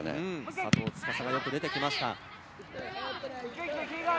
佐藤吏がよく出てきました。